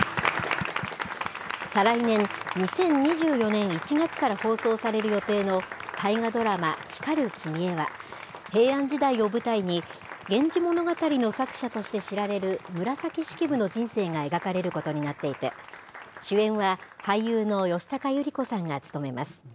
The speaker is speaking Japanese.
再来年・２０２４年１月から放送される予定の大河ドラマ、光る君へは、平安時代を舞台に、源氏物語の作者として知られる、紫式部の人生が描かれることになっていて、主演は俳優の吉高由里子さんが務めます。